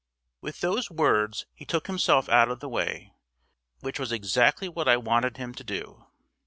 With those words he took himself out of the way, which was exactly what I wanted him to do.